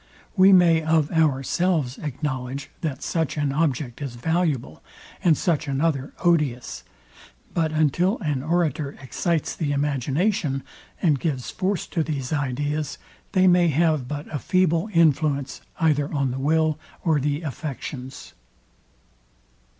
We may of ourselves acknowledge, that such an object is valuable, and such another odious; but until an orator excites the imagination, and gives force to these ideas, they may have but a feeble influence either on the will or the affections.